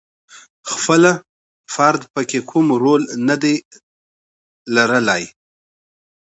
خپله فرد پکې کوم رول ندی لرلای.